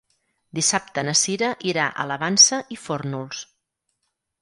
Dissabte na Sira irà a la Vansa i Fórnols.